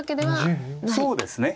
そうですね。